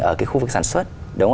ở cái khu vực sản xuất